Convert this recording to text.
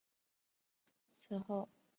此后成为停播前的主要节目形式。